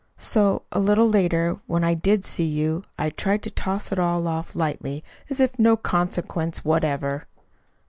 So, a little later, when I did see you, I tried to toss it all off lightly, as of no consequence whatever."